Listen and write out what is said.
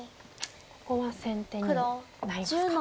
ここは先手にもなりますか。